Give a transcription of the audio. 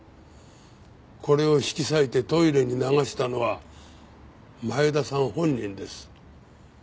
これを引き裂いてトイレに流したのは前田さん本人です。